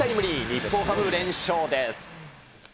日本ハム、連勝です。